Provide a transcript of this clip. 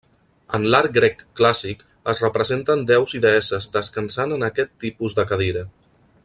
En l'art grec clàssic es representen déus i deesses descansant en aquest tipus de cadira.